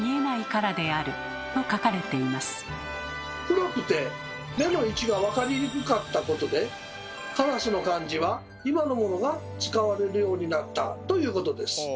黒くて目の位置がわかりにくかったことで「烏」の漢字は今のものが使われるようになったということです。